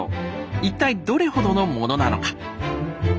一体どれほどのものなのか。